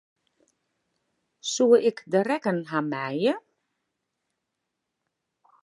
Soe ik de rekken ha meie?